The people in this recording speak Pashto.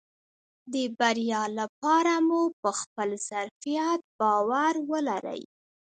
د بريا لپاره مو په خپل ظرفيت باور ولرئ .